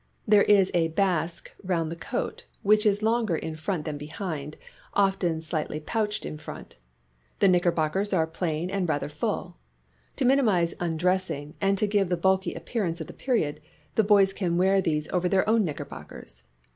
There is a " basque " round the coat, which is longer in front than behind, often slightly pouched in front. The knickerbockers are plain and rather full. To minimize undressing, and to give the bulky appearance of the period, the boys can wear these over their own knickerbockers.